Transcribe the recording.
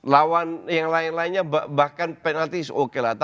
lawan yang lain lainnya bahkan penalti oke lah